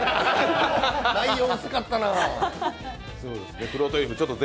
内容、薄かったなあ。